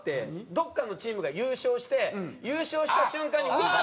どこかのチームが優勝して優勝した瞬間にワッ！